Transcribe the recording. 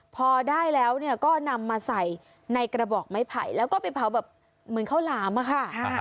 พอได้แล้วก็นำมาใส่ในกระบอกไม้ไผ่แล้วก็ไปเผาแบบเหมือนข้าวหลามอะค่ะ